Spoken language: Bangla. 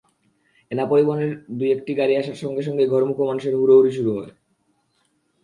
এনা পরিবহনের দু-একটি গাড়ি আসার সঙ্গে সঙ্গেই ঘরমুখো মানুষের হুড়োহুড়ি শুরু হয়।